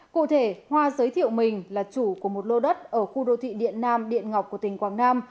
cụ thể hoa giới thiệu mình là chủ của một lô đất ở khu đô thị điện nam điện ngọc của tỉnh quảng nam